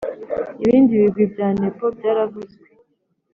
Ibindi bigwi bya nepo byaravuzwe